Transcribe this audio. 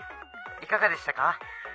いかがでしたか？